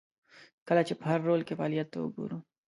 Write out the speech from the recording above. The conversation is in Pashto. کله چې په هر رول کې خپل فعالیت ته وګورو.